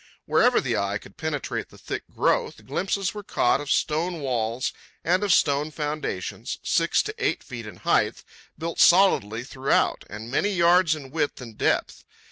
Wherever the eye could penetrate the thick growth, glimpses were caught of stone walls and of stone foundations, six to eight feet in height, built solidly throughout, and many yards in width and depth.